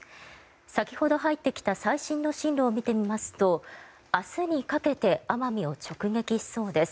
先ほど入ってきた最新の進路を見てみますと明日にかけて奄美を直撃しそうです。